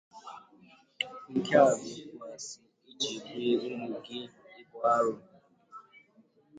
Nke a bụ okwu asị e ji ebunye ụmụ gị ibu arụ